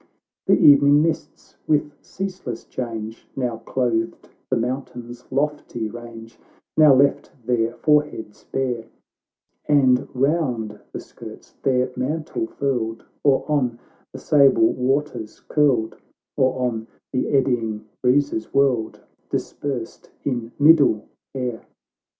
The evening mists, with ceaseless change, Now clothed the mountains' lofty range, Now left their foreheads bare, And round the skirts their mantle furled, Or on the sable waters curled, Or, on the eddying breezes whirled, Dispersed in middle air.